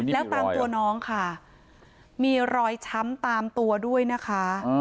แล้วตามตัวน้องค่ะมีรอยช้ำตามตัวด้วยนะคะ